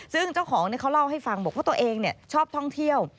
ซึ่งเจ้าของเขาเล่าให้ฟังบอกว่าตัวเองชอบท่องเที่ยว